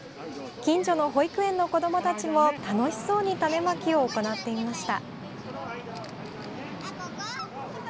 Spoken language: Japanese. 近所の保育園の子どもたちも楽しそうに種まきを行っていました。